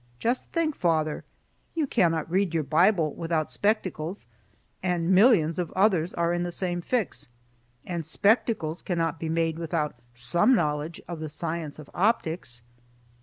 Just think, father, you cannot read your Bible without spectacles, and millions of others are in the same fix; and spectacles cannot be made without some knowledge of the science of optics."